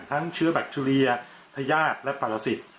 ทั้งเชื้อแบคทูเลียพยาบและปาราสิต